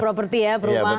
property ya perumahan